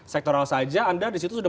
sektoral saja anda disitu sudah